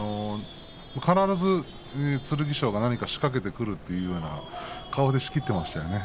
必ず剣翔が何か仕掛けてくるというような顔で仕切っていましたね。